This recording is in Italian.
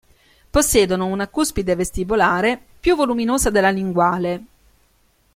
Possiedono una cuspide vestibolare più voluminosa della linguale.